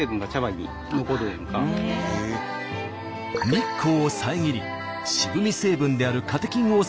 日光を遮り渋み成分であるカテキンを抑える